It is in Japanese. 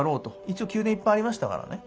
一応宮殿いっぱいありましたらからね。